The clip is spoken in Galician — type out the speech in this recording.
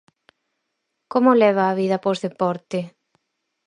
Como leva a vida pos deporte?